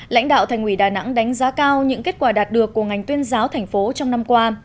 lãnh đạo thành ủy đà nẵng đánh giá cao những kết quả đạt được của ngành tuyên giáo thành phố trong năm qua